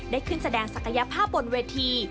ได้ขึ้นแสดงศักยภาพบนเวที